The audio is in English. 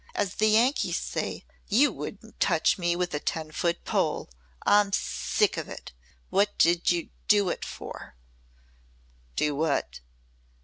As the Yankees say, you 'wouldn't touch me with a ten foot pole.' I'm sick of it. What did you do it for?" "Do what?"